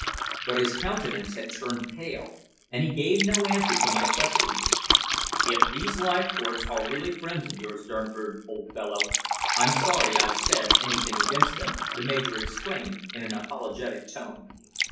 But his countenance had turned pale, and he gave no answer to my question. "If these same Leithcourts are really friends of yours, Durnford, old fellow, I'm sorry I've said anything against them," the Major exclaimed in an apologetic tone.